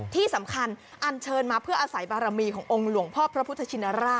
ที่สำคัญอันเชิญมาเพื่ออาศัยบารมีขององค์หลวงพ่อพระพุทธชินราช